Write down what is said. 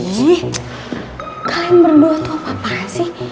eh kalian berdoa tuh apa apaan sih